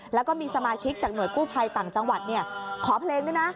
แล้วก็มีสมาชิกจากหน่วยกู้ภัยต่างจังหวัดขอเพลงด้วยนะ